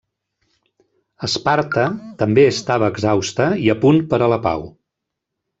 Esparta també estava exhausta i a punt per a la pau.